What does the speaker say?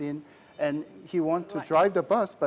pemandu datang dan ingin memandu